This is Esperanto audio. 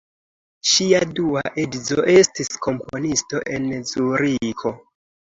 Ŝia dua edzo estis komponisto en Zuriko.